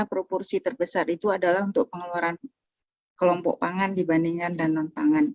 proporsi terbesar itu adalah untuk pengeluaran kelompok pangan dibandingkan dan non pangan